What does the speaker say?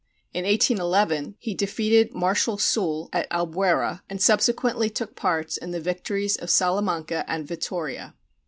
In 1811 he defeated Marshal Soult at Albuera, and subsequently took part in the victories of Salamanca and Vittoria.